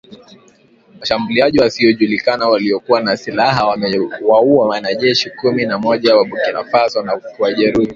Washambuliaji wasiojulikana waliokuwa na silaha wamewaua wanajeshi kumi na moja wa Burkina Faso na kuwajeruhi